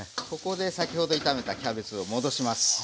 ここで先ほど炒めたキャベツを戻します。